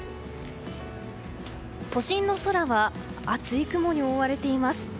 都心の空は厚い雲に覆われています。